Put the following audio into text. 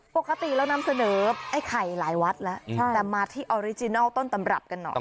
ปกติเรานำเสนอไอ้ไข่หลายวัดแล้วแต่มาที่ออริจินัลต้นตำรับกันหน่อย